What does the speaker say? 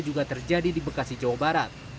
juga terjadi di bekasi jawa barat